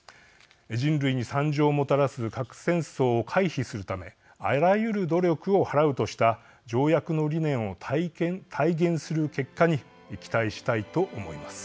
人類に惨状をもたらす核戦争を回避するためあらゆる努力を払うとした条約の理念を体現する結果に期待したいと思います。